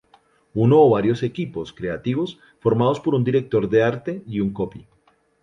Uno o varios equipos creativos, formados por un director de arte y un copy.